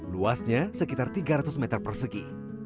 luasnya sekitar tiga ratus meter persegi